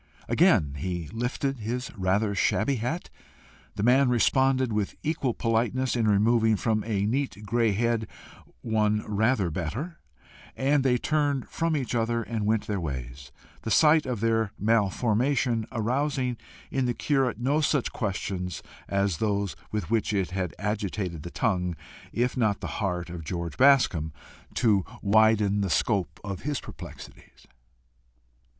Again he lifted his rather shabby hat, the man responded with equal politeness in removing from a great grey head one rather better, and they turned from each other and went their ways, the sight of their malformation arousing in the curate no such questions as those with which it had agitated the tongue, if not the heart, of George Bascombe, to widen the scope of his perplexities.